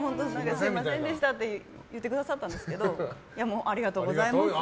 すみませんでしたって言ってくださったんですけどありがとうございますって。